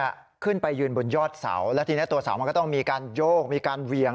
เด็กขึ้นไปยืนบนยอดเสาแล้วตัวเสาก็ต้องมีการโยกมีการเหวียง